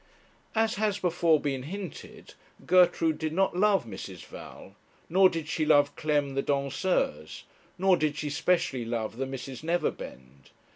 As has before been hinted, Gertrude did not love Mrs. Val; nor did she love Clem the danseuse; nor did she specially love the Misses Neverbend.